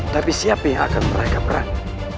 tapi siapa yang akan mereka perang